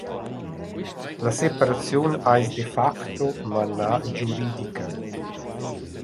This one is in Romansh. La separaziun ais de facto ma na giuridica.